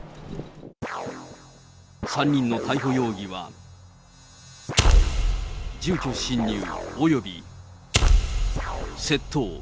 ３人の逮捕容疑は住居侵入および窃盗。